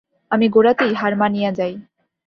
আমি গোড়াতেই হার মানিয়া যাই।